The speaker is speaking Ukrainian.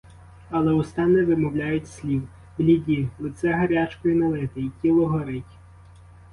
Але уста не вимовляють слів, бліді, лице гарячкою налите, і тіло горить.